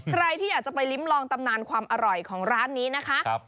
ใครที่อยากจะไปลิ้มลองตำนานความอร่อยของร้านนี้นะคะ